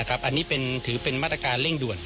อันนี้ถือเป็นมาตรการเร่งด่วน